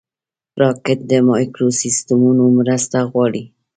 راکټ د مایکروسیسټمونو مرسته غواړي